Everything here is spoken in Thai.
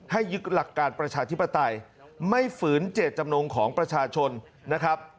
ยึดหลักการประชาธิปไตยไม่ฝืนเจตจำนงของประชาชนนะครับ